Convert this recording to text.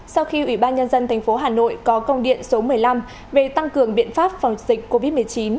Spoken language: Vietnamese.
sau khi ủy ban nhân dân tp hà nội có công điện số một mươi năm về tăng cường biện pháp phòng dịch covid một mươi chín